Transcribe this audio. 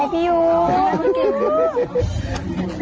พี่เก่งมาก